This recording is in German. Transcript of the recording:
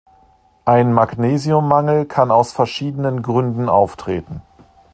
Ein Magnesiummangel kann aus verschiedenen Gründen auftreten.